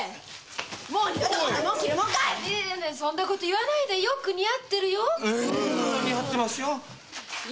そんなこと言わないのよく似合ってるよ。